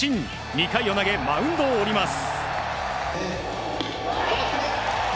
２回を投げマウンドを降ります。